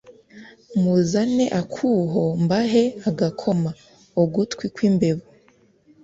Muzane akwuho mbahe agakoma-Ugutwi kw'imbeba.